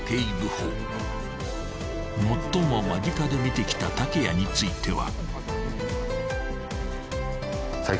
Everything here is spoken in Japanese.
［最も間近で見てきた竹谷については］